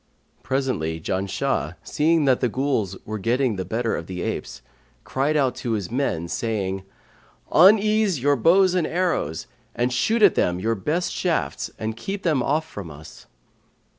Presently, Janshah, seeing that the Ghuls were getting the better of the apes, cried out to his men, saying, 'Unease your bows and arrows and shoot at them your best shafts and keep them off from us.'